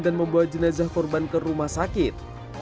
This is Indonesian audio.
membawa jenazah korban ke rumah sakit